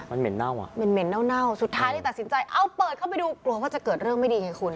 มันเหม็นเน่าอ่ะเหม็นเน่าสุดท้ายเลยตัดสินใจเอาเปิดเข้าไปดูกลัวว่าจะเกิดเรื่องไม่ดีไงคุณ